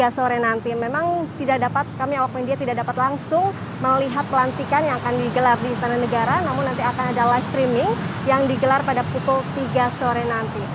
saya tidak dapat langsung melihat pelantikan yang akan digelar di istana negara namun nanti akan ada live streaming yang digelar pada pukul tiga sore nanti